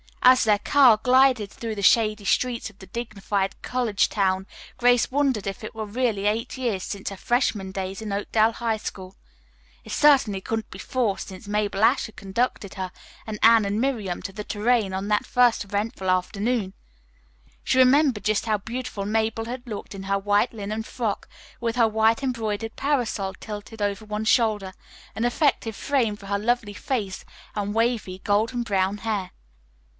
As their car glided through the shady streets of the dignified college town Grace wondered if it were really eight years since her freshman days in Oakdale High School. It certainly couldn't be four years since Mabel Ashe had conducted her and Anne and Miriam to the Tourraine on that first eventful afternoon. She remembered just how beautiful Mabel had looked in her white linen frock, with her white embroidered parasol tilted over one shoulder, an effective frame for her lovely face and wavy, golden brown hair.